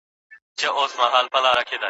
له ارغنده ساندي پورته د هلمند جنازه اخلي